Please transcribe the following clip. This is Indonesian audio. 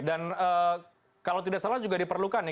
dan kalau tidak salah juga diperlukan ya